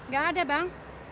gak ada bang